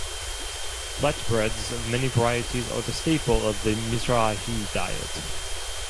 Flatbreads of many varieties are the staple of the Mizrahi diet.